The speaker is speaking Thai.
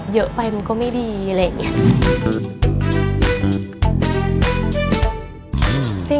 อ๋อเยอะไปมันก็ไม่ดีแล้ว